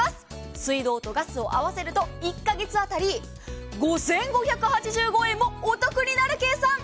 水道とガスを合わせると、１か月当たり５５８５円もお得になる計算。